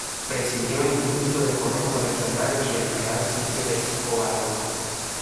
Presidió el Instituto de Fomento Regional y el Real Sitio de Covadonga.